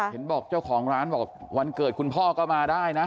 เห็นบอกเจ้าของร้านบอกวันเกิดคุณพ่อก็มาได้นะ